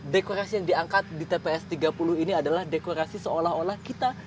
dekorasi yang diangkat di tps tiga puluh ini adalah dekorasi seolah olah kita